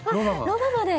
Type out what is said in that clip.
ロバまで。